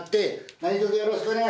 何とぞよろしくお願いします。